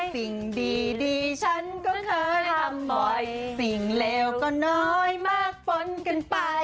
สิ่งดีฉันก็เคยทำบ่อยสิ่งเลวก็น้อยมากฝนกันไป